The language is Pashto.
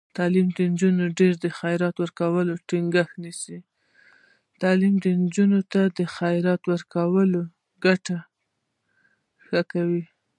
تعلیم نجونو ته د خیرات ورکولو ګټې ښيي.